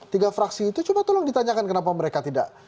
tiga fraksi itu coba tolong ditanyakan kenapa mereka tidak